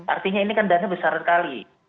artinya ini kan dana besar sekali